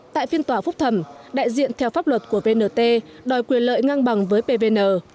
tại phiên tòa phúc thẩm đại diện theo pháp luật của vnt đòi quyền lợi ngang bằng với pvn